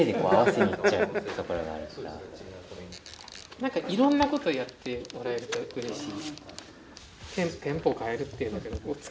なんかいろんなことやってもらえるとうれしい。